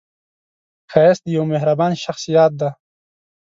ښایست د یوه مهربان شخص یاد دی